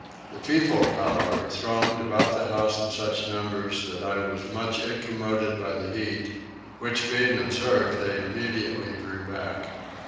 The people however thronged about the house in such numbers that I was much incommoded by the heat, which being observed they immediately drew back.